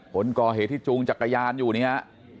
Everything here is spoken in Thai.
คนก่อเหตุที่จูงจักรยานอยู่เนี่ย